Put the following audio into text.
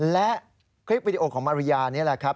และคลิปวิดีโอของมาริยานี่แหละครับ